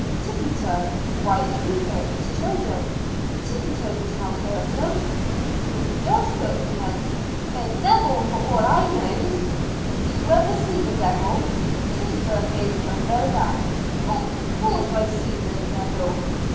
"Tituba, why do you hurt these children?" "Tituba does not hurt 'em." "Who does hurt them then?" "The debbil, for all I knows.' "Did you ever see the Devil?" Tituba gave a low laugh. "Of course I've seen the debbil.